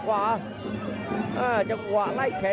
หวังในจังหวะไหล่แขน